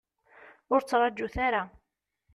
Ur ttraǧut ara.